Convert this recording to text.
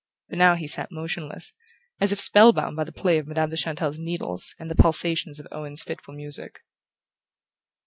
But now he sat motionless, as if spell bound by the play of Madame de Chantelle's needles and the pulsations of Owen's fitful music.